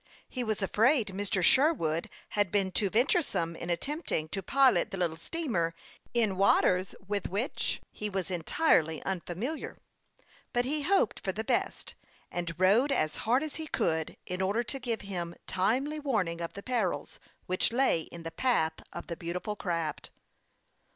lie was afraid Mr. Sherwood had been too venturesome in attempting to pilot the little steamer in waters with which he was entirely un familiar ; but he hoped for the best, and rowed as hard as he could, in order to give him timely warn ing of the perils which lay in the path of the beau tiful craft.